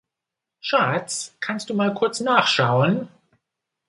Schatz, kannst du mal kurz nachschauen?